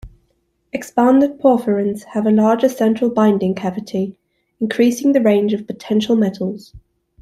Expanded porphyrins have a larger central binding cavity, increasing the range of potential metals.